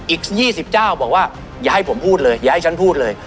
อีก๒๐เจ้าบอกว่าอย่าให้ผมพูดเลยอย่าให้ฉันพูดเลย